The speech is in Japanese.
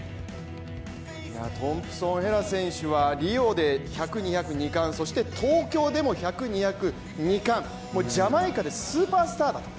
トンプソン・ヘラ選手はリオで１００、２００、２冠そして東京でも１００、２００、２冠、ジャマイカでスーパースターだと。